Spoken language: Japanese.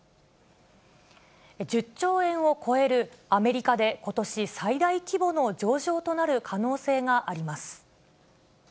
１０兆円を超える、アメリカでことし最大規模の上場となる可能性があります。